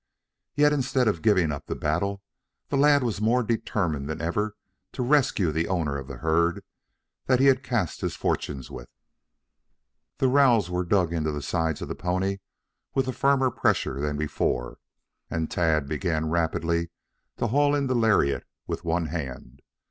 Yet, instead of giving up the battle, the lad was more determined than ever to rescue the owner of the herd that he had cast his fortunes with. The rowels were dug into the sides of the pony with a firmer pressure than before, and Tad began rapidly to haul in the lariat with one hand.